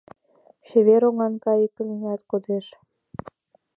Чевер оҥан кайыкнат кодеш